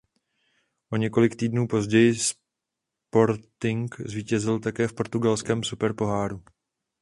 O několik týdnů později Sporting zvítězil také v portugalském Superpoháru.